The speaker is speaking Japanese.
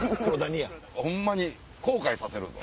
ホンマに後悔させるぞ！